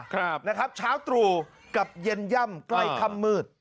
ครับนะครับเช้าตรู่กับเย็นย่ำใกล้ค่ำมืด